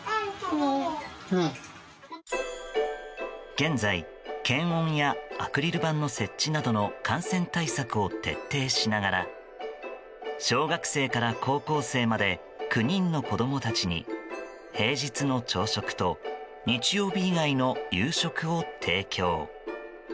現在検温やアクリル板の設置などの感染対策を徹底しながら小学生から高校生まで９人の子供たちに平日の朝食と日曜日以外の夕食を提供。